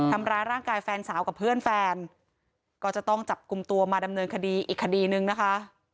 ทำร้ายร่างกายแฟนสาวกับเพื่อนแฟนก็จะต้องจับกลุ่มตัวมาดำเนินคดีอีกคดีนึงนะคะ